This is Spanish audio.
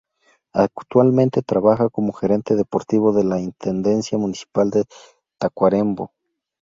Actualmente trabaja como Gerente Deportivo en la Intendencia Municipal de Tacuarembó.